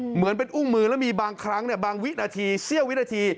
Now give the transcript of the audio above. เหมือนเป็นอุ้งมือแล้วมีบางครั้งบางวินาทีเสี้ยววินาที